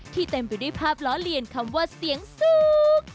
เต็มไปด้วยภาพล้อเลียนคำว่าเสียงสูง